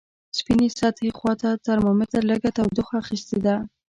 سپینې سطحې خواته ترمامتر لږه تودوخه اخستې ده.